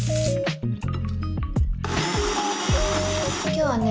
今日はね